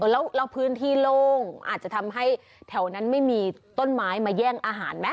แล้วพื้นที่โล่งอาจจะทำให้แถวนั้นไม่มีต้นไม้มาแย่งอาหารไหม